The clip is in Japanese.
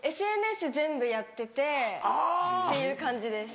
ＳＮＳ全部やっててっていう感じです。